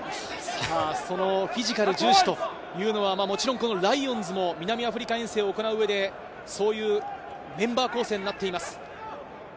フィジカル重視というのは、もちろんライオンズも南アフリカ遠征を行う上で、そういうメンバー構成になっています。